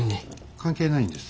関係ないんです